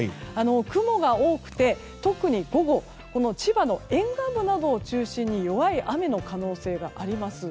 雲が多くて特に午後千葉の沿岸部などを中心に弱い雨の可能性があります。